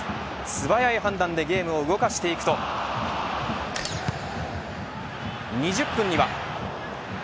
すばやい判断でゲームを動かしていくと２０分には。